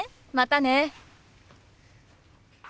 またね。